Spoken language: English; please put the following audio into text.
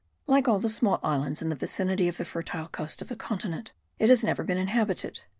Like all the small islands in the vicinity of the fertile coast of the continent it has never been inhabited.